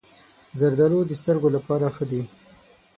زردالو د سترګو لپاره ښه دي.